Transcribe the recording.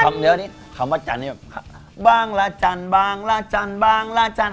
เดี๋ยวนี้คำว่าจันนี้แบบบางละจันทร์บางละจันทร์บางละจันท